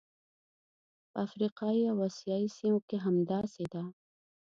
په افریقایي او اسیايي سیمو کې همداسې ده.